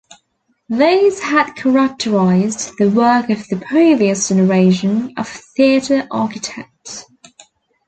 These had characterised the work of the previous generation of theatre architects.